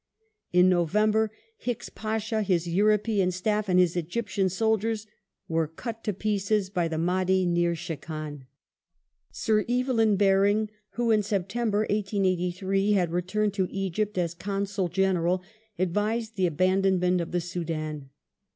In November Hicks Pasha, his Euroj^an staff, and his Egyptian soldiers were cut to pieces by the Mahdi near Shekan. Sir Evelyn Baring who in Sep tember, 1883, had returned to Egypt as Consul General, advised the abandonment of the Soudan.